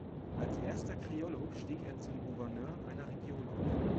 Als erster "criollo" stieg er zum Gouverneur einer Region auf.